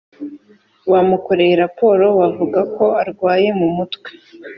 bamukoreye raporo bavuga ko arwaye mu mutwe